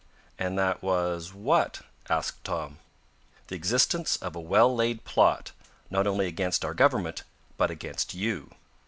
"And that was what?" asked Tom. "The existence of a well laid plot, not only against our government, but against you!"